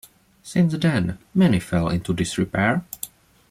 Since then, many fell into disrepair.